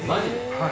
はい。